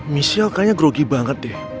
michelle kayaknya grogi banget ya